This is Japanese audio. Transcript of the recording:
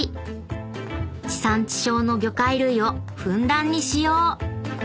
［地産地消の魚介類をふんだんに使用］